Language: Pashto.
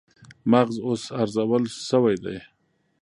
مغز اوس ارزول شوی دی